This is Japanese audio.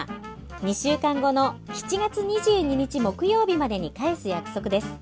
２週間後の７月２２日木曜日までに返す約束です。